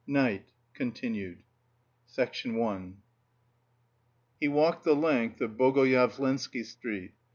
NIGHT (continued) I HE WALKED THE LENGTH of Bogoyavlensky Street.